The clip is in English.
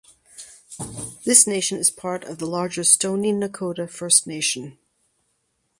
This nation is part of the larger Stoney Nakoda First Nation.